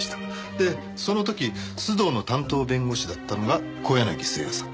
でその時須藤の担当弁護士だったのが小柳征矢さん。